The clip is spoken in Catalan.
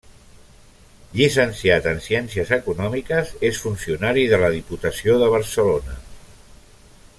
Llicenciat en ciències econòmiques, és funcionari de la Diputació de Barcelona.